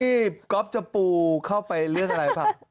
ที่ปมกรอฟเจ้าปูเข้าไปเลือกอะไร